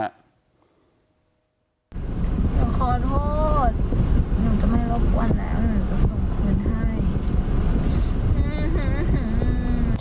หนูขอโทษหนูก็ไม่รบกวนแล้วหนูจะส่งคืนให้